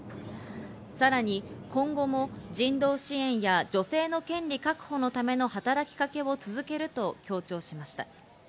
さらに今後も人道支援や女性の権利確保のための働きかけを続けると強調しました。